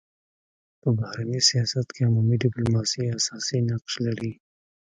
په بهرني سیاست کي عمومي ډيپلوماسي اساسي نقش لري.